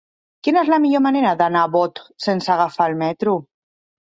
Quina és la millor manera d'anar a Bot sense agafar el metro?